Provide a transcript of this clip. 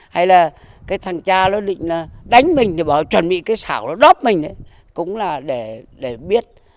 hay là cái thằng cha nó định đánh mình thì bảo chuẩn bị cái xảo đó đốt mình cũng là để biết